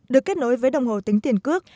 được kết nối với đồng hồ tính tiền cước